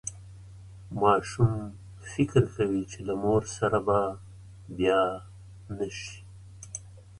ماشوم فکر کوي چې له مور سره به بیا نه شي.